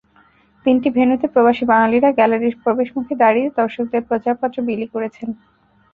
তিনটি ভেন্যুতে প্রবাসী বাঙালিরা গ্যালারির প্রবেশমুখে দাঁড়িয়ে দর্শকদের প্রচারপত্র বিলি করেছেন।